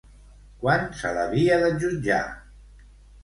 Quan se l'havia de jutjar?